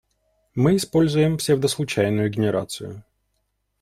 Мы используем псевдослучайную генерацию.